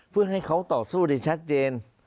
เพื่อให้เขาต่อสู้ได้ชัดเจน